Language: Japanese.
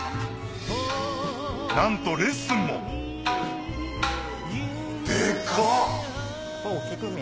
なんとレッスンもデカっ！